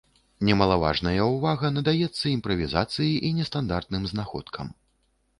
Немалаважнае ўвага надаецца імправізацыі і нестандартным знаходкам.